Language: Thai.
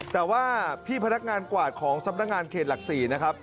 แต่ว่าพี่พนักงานกวาดของสำนักงานเขตหลัก๔นะครับ